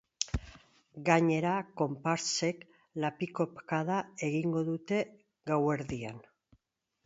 Gainera, konpartsek lapikokada egingo dute gauerdian.